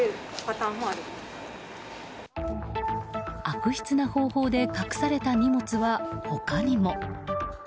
悪質な方法で隠された荷物は他にも。